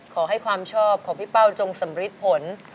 ขอให้ความชอบของพี่เป้าจงสำริดผล